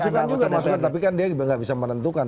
masukan juga tapi kan dia nggak bisa menentukan